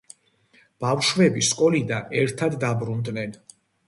ბავშვები სკოლიდან ერთად დაბრუნდნენ.